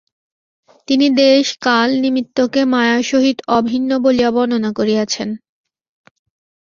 তিনি দেশ-কাল-নিমিত্তকে মায়ার সহিত অভিন্ন বলিয়া বর্ণনা করিয়াছেন।